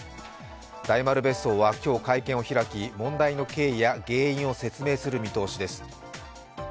大丸別荘は今日、会見を開き問題の経緯や原因を説明する見通しです。